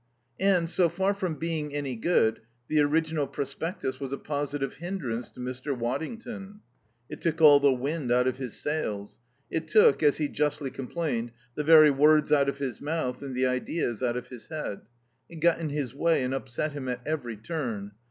And so far from being any good, the original prospectus was a positive hindrance to Mr. Waddington. It took all the wind out of his sails; it took, as he justly complained, the very words out of his mouth and the ideas out of his head; it got in his way and upset him at every turn.